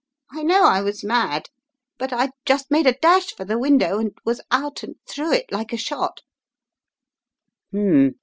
I know I was mad, but I just made a dash for the window and was out and through it like a shot!"